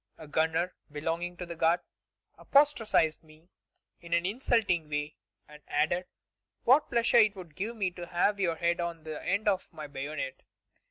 A gunner belonging to the guard apostrophized me in an insulting way, and added: 'What pleasure it would give me to have your head on the end of my bayonet!'